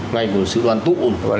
ngày của sự đoàn tụ